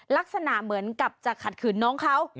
ลักษณะเหมือนกับจะขัดขืนน้องเขา